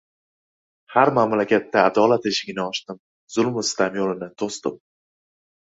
Har mamlakatda adolat eshigini ochdim, zulmu sitam yo‘lini to‘sdim.